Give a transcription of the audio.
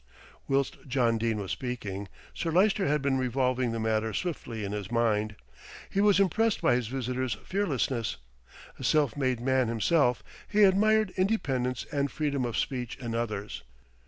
Whilst John Dene was speaking, Sir Lyster had been revolving the matter swiftly in his mind. He was impressed by his visitor's fearlessness. A self made man himself, he admired independence and freedom of speech in others.